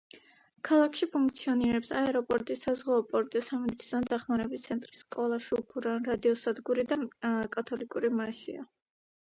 ქალაქში ფუნქციონირებს აეროპორტი, საზღვაო პორტი, სამედიცინო დახმარების ცენტრი, სკოლა, შუქურა, რადიოსადგური და კათოლიკური მისია.